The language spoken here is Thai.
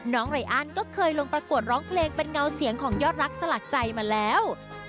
ไรอันก็เคยลงประกวดร้องเพลงเป็นเงาเสียงของยอดรักสลักใจมาแล้ว